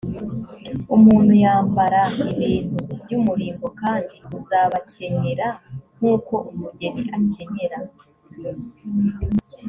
umuntu yambara ibintu by umurimbo kandi uzabakenyera nk uko umugeni akenyera